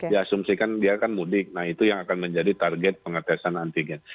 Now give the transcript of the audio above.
diasumsikan dia akan mudik nah itu yang akan menjadi target pengetesan antigen